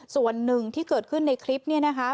ส่วนหนึ่งที่เกิดขึ้นในคลิปนี้นะคะ